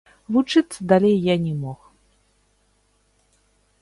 Вучыцца далей я не мог.